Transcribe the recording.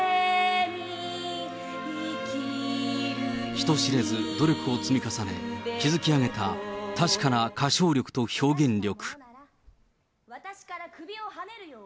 人知れず努力を積み重ね、築き上げた確かな歌唱力と表現力。